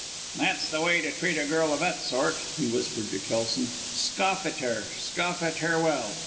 "That's the way to treat a girl of that sort," he whispered to Kelson; "scoff at her scoff at her well.